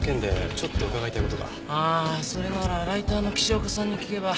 ああそれならライターの岸岡さんに聞けば？